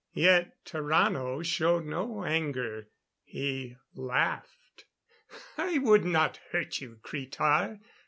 Yet Tarrano showed no anger. He laughed. "I would not hurt you, Cretar!